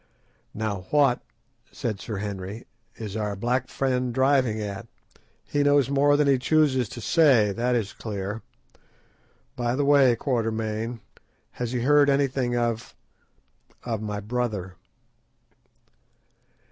"Now what," said Sir Henry, "is our black friend driving at? He knows more than he chooses to say, that is clear. By the way, Quatermain, has he heard anything of—of my brother?"